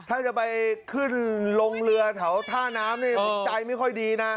ถ้าจะไปขึ้นลงเรือแถวท่าน้ำนี่ใจไม่ค่อยดีนะ